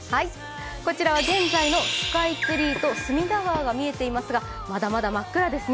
こちらは現在のスカイツリーと隅田川が見えていますがまだまだ真っ暗ですね。